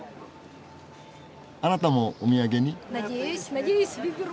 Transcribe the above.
あなたもお土産に？